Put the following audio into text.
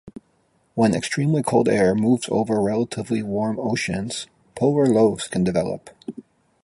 When extremely cold air moves over relatively warm oceans, polar lows can develop.